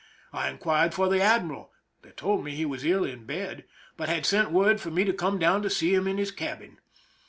I inquired for the admiral ; they told me he was ill in bed, but had sent word for me to come down to see him in his (jabin.